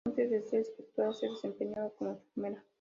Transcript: Antes de ser escritora se desempeñaba como enfermera.